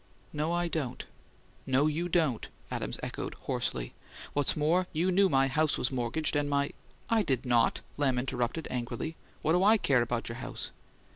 "No, I don't." "No, you don't," Adams echoed, hoarsely. "What's more, you knew my house was mortgaged, and my " "I did not," Lamb interrupted, angrily. "What do I care about your house?"